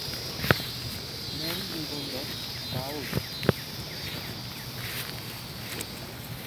মূল নিবন্ধঃ বাউল।